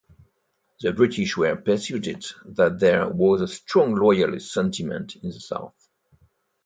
The British were persuaded that there was a strong Loyalist sentiment in the south.